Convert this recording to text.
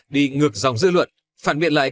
đi ngược dòng dư luận phản biệt lại